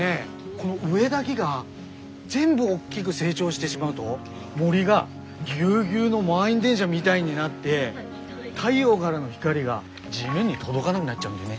この植えだ木が全部大きぐ成長してしまうど森がぎゅうぎゅうの満員電車みだいになって太陽がらの光が地面に届がなぐなっちゃうんだよね。